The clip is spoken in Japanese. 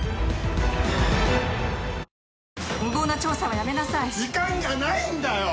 「無謀な調査はやめなさい」「時間がないんだよ！」